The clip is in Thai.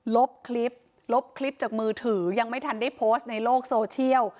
ลบคลิปลบคลิปจากมือถือยังไม่ทันได้โพสต์ในโลกโซเชียล